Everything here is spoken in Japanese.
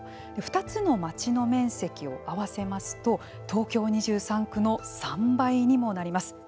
２つの町の面積を合わせますと東京２３区の３倍にもなります。